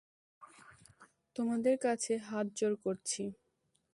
তোমাদের কাছে হাতজোড় করছি!